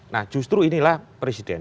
nah justru inilah presiden